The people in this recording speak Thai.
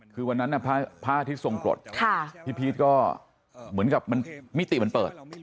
คือวันนั้นพระอาทิตย์ทรงกรดพี่พีชก็เหมือนกับมิติมันเปิด